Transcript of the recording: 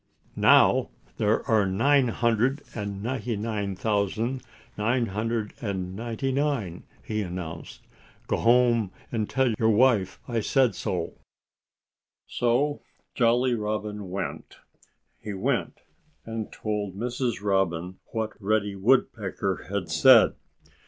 "Now there are nine hundred and ninety nine thousand nine hundred and ninety nine," he announced. "Go home and tell your wife I said so." So Jolly Robin went. He went and told Mrs. Robin what Reddy Woodpecker had said.